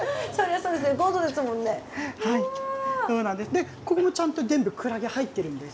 でここもちゃんと全部クラゲ入っているんです。